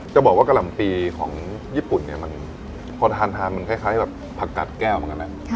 จะบอกว่ากะหล่ำปีของญี่ปุ่นพอทานมันคล้ายผักกัดแก้วเหมือนกัน